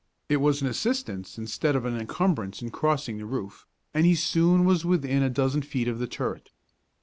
It was an assistance instead of an incumbrance in crossing the roof, and he soon was within a dozen feet of the turret.